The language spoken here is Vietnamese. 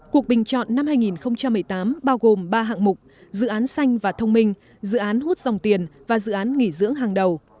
cuộc bình chọn năm hai nghìn một mươi tám bao gồm ba hạng mục dự án xanh và thông minh dự án hút dòng tiền và dự án nghỉ dưỡng hàng đầu